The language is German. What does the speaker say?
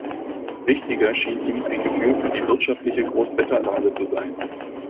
Wichtiger schien ihm ein Gefühl für die wirtschaftliche Großwetterlage zu sein.